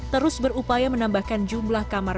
terus berupaya menambahkan jumlah kamar